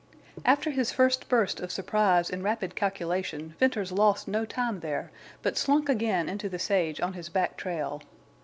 After his first burst of surprise and rapid calculation Venters lost no time there, but slunk again into the sage on his back trail.